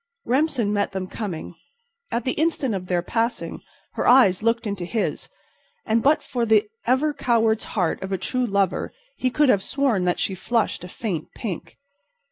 Remsen met them coming. At the instant of their passing her eyes looked into his, and but for the ever coward's heart of a true lover he could have sworn that she flushed a faint pink.